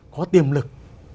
có tiềm lực